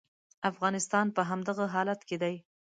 افغانستان په همدغه حالت کې دی.